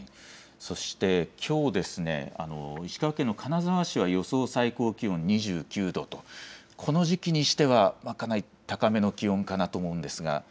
そしてきょう、石川県の金沢市は予報最高気温２９度とこの時期にしてはかなり高めの気温かと思います。